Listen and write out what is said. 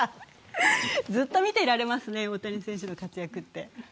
ずっと見ていられますね、大谷選手の活躍って。